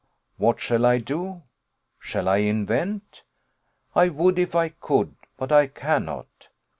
What shall I do? Shall I invent? I would if I could; but I cannot.